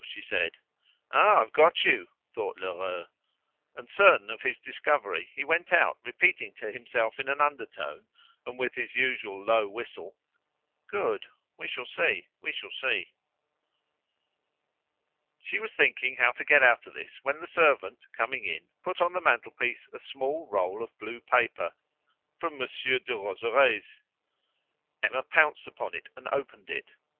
she said. "Ah! I've got you!" thought Lheureux. And, certain of his discovery, he went out repeating to himself in an undertone, and with his usual low whistle "Good! we shall see! we shall see!" She was thinking how to get out of this when the servant coming in put on the mantelpiece a small roll of blue paper "from Monsieur Derozeray's." Emma pounced upon and opened it.